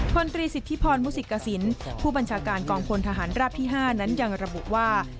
คนตรีสิทธิพลหมศิกัสินทร์ผู้บัญชาการกองพลทหันท์รับที่๕อย่างระบุว่า